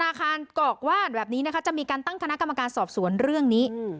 อาคารกอกว่านแบบนี้นะคะจะมีการตั้งคณะกรรมการสอบสวนเรื่องนี้